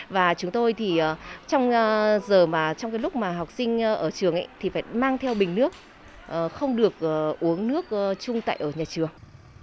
và chúng tôi thì trong lúc mà học sinh ở trường thì phải mang theo bình nước không được uống nước chung tại ở nhà trường